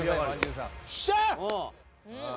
よっしゃ！